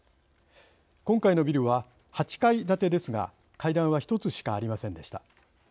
今回のビルは８階建てですが階段は１つしかありませんでした。